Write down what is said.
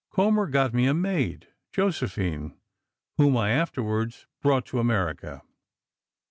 Kommer got me a maid, Josephine, whom I afterwards brought to America.